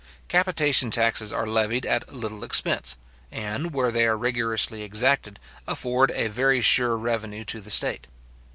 Capitation taxes are levied at little expense; and, where they are rigorously exacted, afford a very sure revenue to the state.